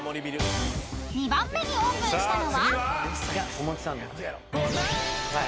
［２番目にオープンしたのは？］